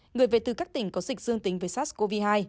người về từ các tỉnh có dịch dương tính với sars cov hai